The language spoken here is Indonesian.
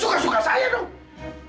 suka suka saya dong